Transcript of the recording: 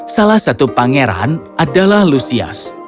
salah satu pangeran adalah lusias